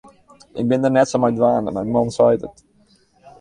Ik bin dêr net sa mei dwaande, mar men seit it.